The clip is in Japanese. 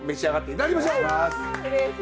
いただきます。